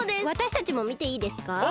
わたしたちもみていいですか？